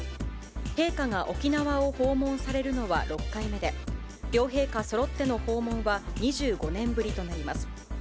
陛下が沖縄を訪問されるのは６回目で、両陛下そろっての訪問は２５年ぶりとなります。